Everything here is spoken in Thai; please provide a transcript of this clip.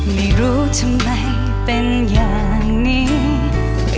ไม่รู้ทำไมเป็นอย่างนี้